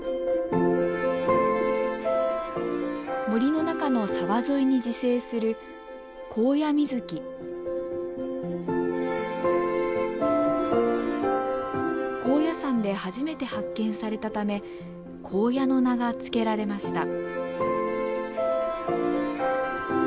森の中の沢沿いに自生する高野山で初めて発見されたため「コウヤ」の名が付けられました。